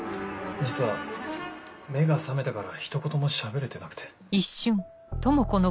実は目が覚めてからひと言もしゃべれてなくて。